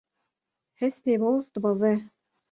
Hespê boz dibeze.